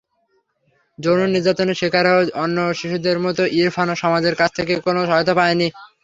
যৌন নির্যাতনের শিকার অন্য শিশুদের মতো ইরফানও সমাজের কাছ থেকে কোনো সহায়তা পায়নি।